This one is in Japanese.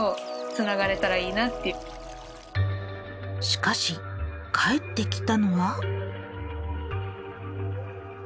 しかし返ってきたのは？